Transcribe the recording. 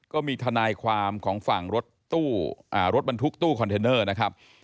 ก็มีทนายความของฝั่งรถตู้รถบรรทุกตู้คอนเทนเนอร์นะครับ